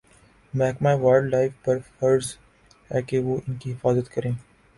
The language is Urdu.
محکمہ وائلڈ لائف پر فرض ہے کہ وہ ان کی حفاظت کریں